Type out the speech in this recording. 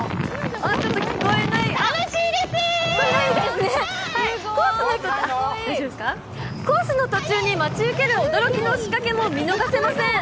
楽しいです！コースの途中に待ち受ける驚きの仕掛けも見逃せません。